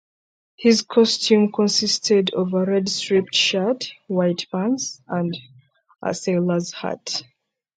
His costume consisted of a red striped shirt, white pants, and a sailor's hat.